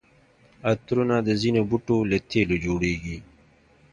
عطرونه د ځینو بوټو له تېلو جوړیږي.